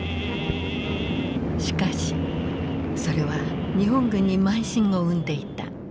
しかしそれは日本軍に慢心を生んでいた。